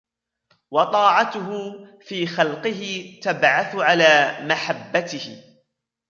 وَطَاعَتُهُ فِي خَلْقِهِ تَبْعَثُ عَلَى مَحَبَّتِهِ